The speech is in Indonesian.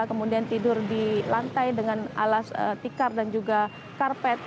kemudian tidur di lantai dengan alas tikar dan juga karpet